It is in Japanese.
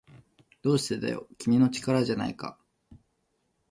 どうしてだよ、君の力じゃないか